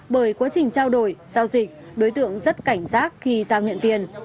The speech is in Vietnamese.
bởi quá trình trao đổi giao dịch đối tượng rất cảnh giác khi giao nhận tiền